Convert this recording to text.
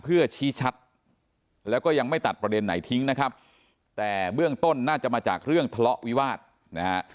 เพื่อชี้ชัดแล้วก็ยังไม่ตัดประเด็นไหนทิ้งนะครับแต่เบื้องต้นน่าจะมาจากเรื่องทะเลาะวิวาสนะฮะ